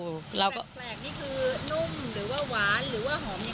แปลกนี่คือนุ่มหรือว่าหวานหรือว่าหอม